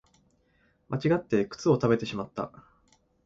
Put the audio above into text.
間違って靴を食べてしまった